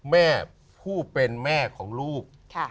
แม่ผู้เป็นแม่ของลูก